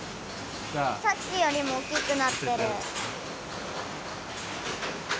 さっきよりもおおきくなってる。